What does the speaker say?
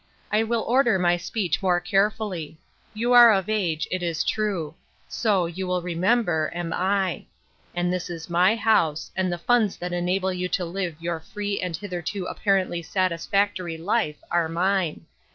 I will order my speech more care fully. You are of age, it is true ; so, you will remember, am I. And this is my house, and the funds that enable you to live your free and hitherto apparently satisfactory life are mine.